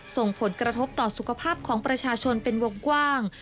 ส่งผลกระทบต่อสุขภาพของประชาชนเป็นวงกว้าง